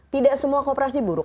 tidak semua kooperasi buruk